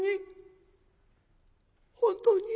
本当に？